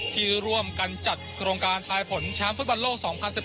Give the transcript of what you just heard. ที่ร่วมกันจัดโครงการทายผลแชมป์ฟุตบอลโลก๒๐๑๘